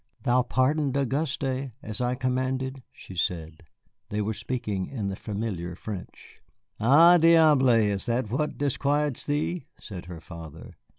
"Thou pardoned Auguste, as I commanded?" she said. They were speaking in the familiar French. "Ha, diable! is it that which disquiets thee?" said her father.